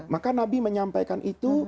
maka nabi menyampaikan itu